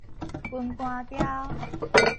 軍官鵰